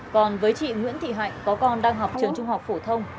còn với chị nguyễn thị hạnh có con đang học trường trung học phổ thông